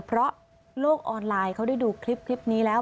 เพราะโลกออนไลน์เขาได้ดูคลิปนี้แล้ว